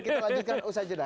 kita lanjutkan usaha jeda